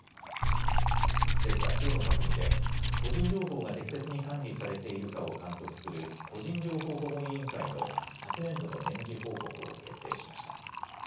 政府はきょうの閣議で個人情報が適切に管理されているかを監督する個人情報保護委員会の昨年度の年次報告を決定しました。